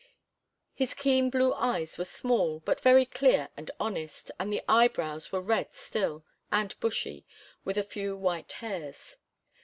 His keen blue eyes were small, but very clear and honest, and the eyebrows were red still, and bushy, with a few white hairs.